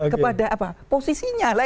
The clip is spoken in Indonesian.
kepada posisinya lah